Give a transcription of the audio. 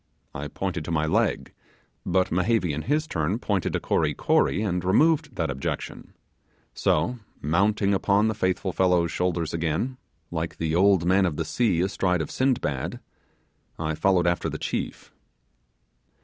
I pointed to my leg; but Mehevi in his turn pointed to Kory Kory, and removed that objection; so, mounting upon the faithful fellow's shoulders again like the old man of the sea astride of Sindbad I followed after the chief.